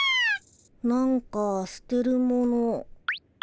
なんか捨てるもの。